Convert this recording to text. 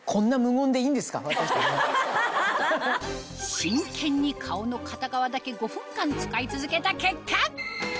真剣に顔の片側だけ５分間使い続けた結果